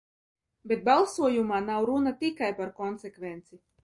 Bet balsojumā nav runa tikai par konsekvenci.